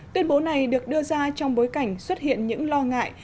tuyên bố này được đưa ra trong bối cảnh xuất hiện những lo ngại